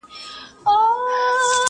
شمعي زما پر اوښکو که پر ځان راسره وژړل!!